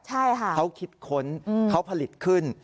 ใช่ค่ะเขาคิดค้นเขาผลิตขึ้น